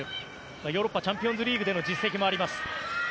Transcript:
ヨーロッパチャンピオンズリーグでの実績もあります。